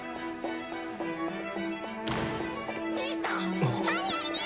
兄さんっ